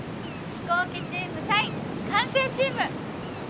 飛行機チーム対管制チーム！